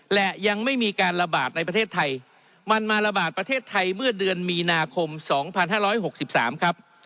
มันมาระบาดประเทศไทยเมื่อเดือนมีนาคม๒๕๖๓ครับ